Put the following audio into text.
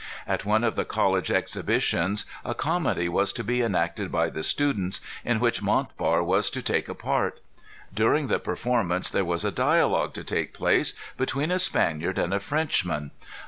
At one of the college exhibitions, a comedy was to be enacted by the students, in which Montbar was to take a part. During the performance there was a dialogue to take place between a Spaniard and a Frenchman.